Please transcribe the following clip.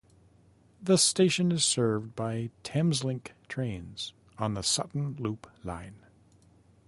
The station is served by Thameslink trains on the Sutton Loop Line.